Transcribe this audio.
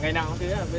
ngày nào cũng thế à